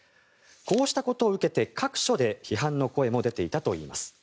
こうしたことを受けて各所で批判の声も出ていたといいます。